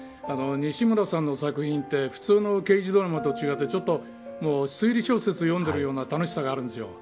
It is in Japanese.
西村さんの作品って普通の刑事ドラマと違ってちょっと推理小説を読んでいるような楽しさがあるんです。